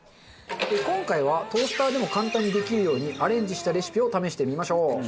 今回はトースターでも簡単にできるようにアレンジしたレシピを試してみましょう。